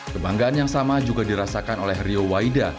kebanggaan yang sama juga dirasakan oleh rio waida